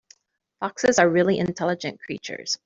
Foxes are really intelligent creatures.